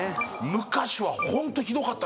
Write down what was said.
昔はホントひどかった。